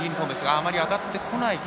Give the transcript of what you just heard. あまり上がってこないか。